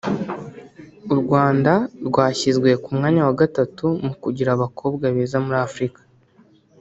u Rwanda rwashyizwe ku mwanya wa gatatu mu kugira abakobwa beza muri Afurika